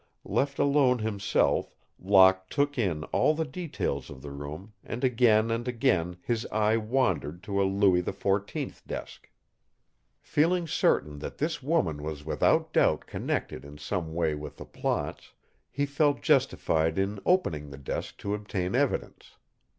Left alone himself, Locke took in all the details of the room and again and again his eye wandered to a Louis XIV desk. Feeling certain that this woman was without doubt connected in some way with the plots, he felt justified in opening the desk to obtain evidence.